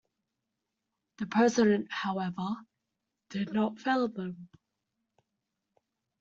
The President, however, did not fail them.